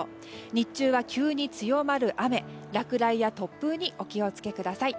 日中は急に強まる雨落雷や突風にお気をつけください。